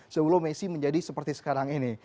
sebelum messi menjadi seperti sekarang ini